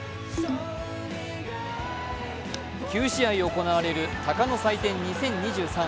９試合行われる鷹の祭典２０２３。